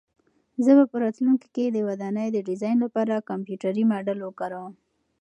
زه به په راتلونکي کې د ودانۍ د ډیزاین لپاره کمپیوټري ماډل وکاروم.